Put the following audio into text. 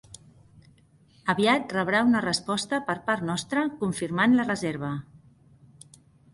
Aviat rebrà una resposta per part nostra confirmant la reserva.